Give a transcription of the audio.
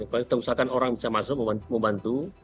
kalau kita usahakan orang bisa masuk membantu